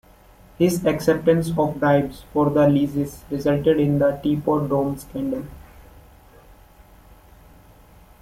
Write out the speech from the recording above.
His acceptance of bribes for the leases resulted in the Teapot Dome scandal.